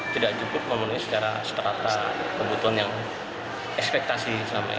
tidak cukup memenuhi secara seterata kebutuhan yang ekspektasi